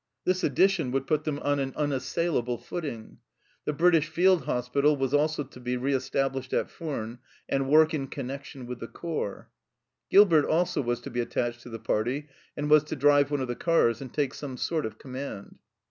This addition would put them on an unas sailable footing. The British Field Hospital was also to be re established at Furnes and work in connection with the corps. Gilbert also was to be attached to the party, and was to drive one of the cars and take some sort ot command.